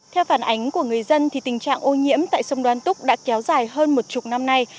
theo phản ánh của người dân thì tình trạng ô nhiễm tại sông đoan túc đã kéo dài hơn một chục năm nay